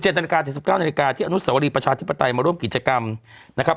นาฬิกาถึง๑๙นาฬิกาที่อนุสวรีประชาธิปไตยมาร่วมกิจกรรมนะครับ